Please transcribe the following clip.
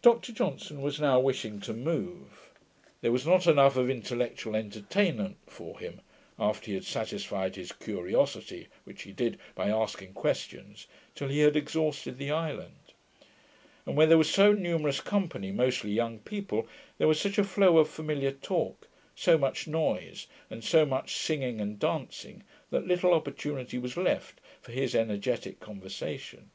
Dr Johnson was now wishing to move. There was not enough of intellectual entertainment for him, after he had satisfyed his curiosity, which he did, by asking questions, till he had exhausted the island; and where there was so numerous a company, mostly young people, there was such a flow of familiar talk, so much noise, and so much singing and dancing, that little opportunity was left for his energetick conversation.